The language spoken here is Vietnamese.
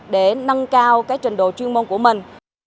để nâng cao trình độ chuyên môn của mình